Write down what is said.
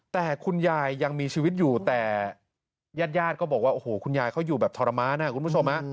แต่คุณยายยังมีชีวิตอยู่แต่ญาติญาติก็บอกว่าโอ้โหคุณยายเขาอยู่แบบทรมานคุณผู้ชม